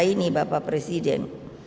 ini bapak presiden